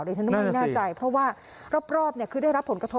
เดี๋ยวฉันว่าไม่แน่ใจเพราะว่ารอบคือได้รับผลกระทบ